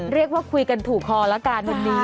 เรียกว่าคุยกันถูกคอละกันวันนี้